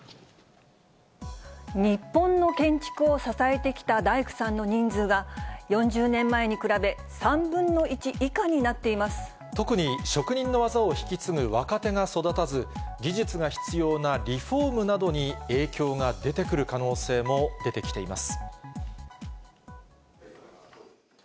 日本の建築を支えてきた大工さんの人数が、４０年前に比べ、特に、職人の技を引き継ぐ若手が育たず、技術が必要なリフォームなどに影響が出てくる可能性も出てきています。